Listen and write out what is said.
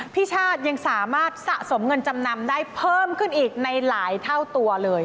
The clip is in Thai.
พี่ชาติยังสามารถสะสมเงินจำนำได้เพิ่มขึ้นอีกในหลายเท่าตัวเลย